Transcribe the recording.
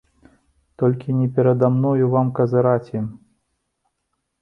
Толькі не перада мною вам казыраць ім!